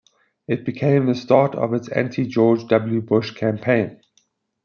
It became the start of its anti-George W. Bush campaign.